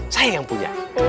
saya yang punya